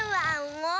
もう！